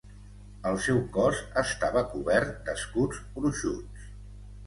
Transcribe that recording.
El seu cos estava cobert d'escuts gruixuts.